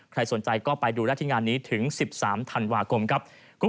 ใครสนใจก็ไปดูได้ที่งานนี้ถึง๑๓ธันวาคมครับ